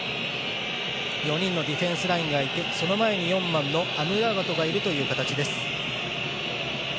４人のディフェンスラインがいてその前に４番のアムラバトがいるという形。